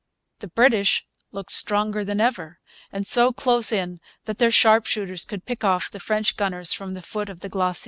The British looked stronger than ever, and so close in that their sharpshooters could pick off the French gunners from the foot of the glacis.